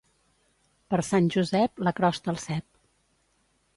Per Sant Josep, la crosta al cep.